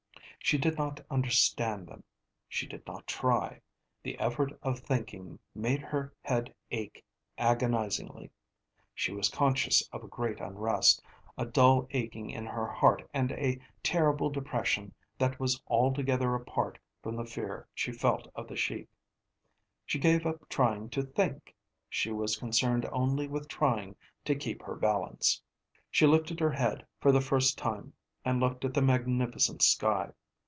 She did not understand them, she did not try. The effort of thinking made her head ache agonisingly. She was conscious of a great unrest, a dull aching in her heart and a terrible depression that was altogether apart from the fear she felt of the Sheik. She gave up trying to think; she was concerned only with trying to keep her balance. She lifted her head for the first time and looked at the magnificent sky.